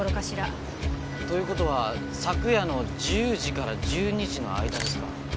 という事は昨夜の１０時から１２時の間ですか。